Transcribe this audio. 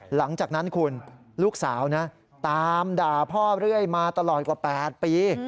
หลังจากนั้นคุณลูกสาวนะตามด่าพ่อเรื่อยมาตลอดกว่า๘ปี